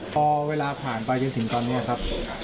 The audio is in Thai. พอเวลาผ่านไปจนถึงตอนนี้ครับ